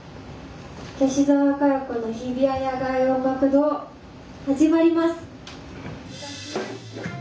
『吉澤嘉代子の日比谷野外音楽堂』始まります！」。